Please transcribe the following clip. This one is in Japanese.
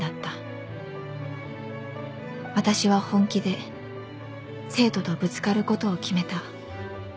私は本気で生徒とぶつかることを決めた